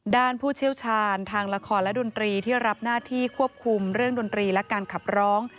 ผู้เชี่ยวชาญทางละครและดนตรีที่รับหน้าที่ควบคุมเรื่องดนตรีและการขับร้อง